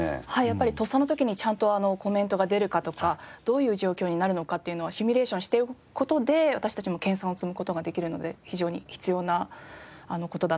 やっぱりとっさの時にちゃんとコメントが出るかとかどういう状況になるのかっていうのはシミュレーションしておく事で私たちも研鑽を積む事ができるので非常に必要な事だなと思います。